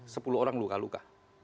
sepuluh orang luka luka